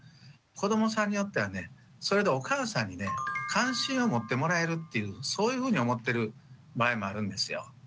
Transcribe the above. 子どもさんによってはそれでお母さんに関心を持ってもらえるっていうそういうふうに思ってる場合もあるんですよ。